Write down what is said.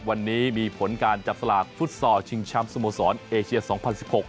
วันนี้มีผลการจับสลากฟุตซอลชิงช้ำสมสรรค์เอเชียส๒๐๑๖